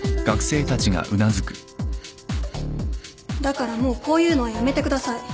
だからもうこういうのはやめてください。